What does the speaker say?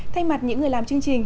thay mặt những người làm chương trình